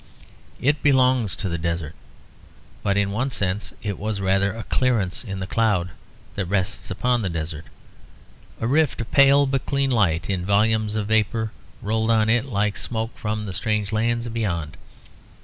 It belonged to the desert, but in one sense it was rather a clearance in the cloud that rests upon the desert; a rift of pale but clean light in volumes of vapour rolled on it like smoke from the strange lands beyond.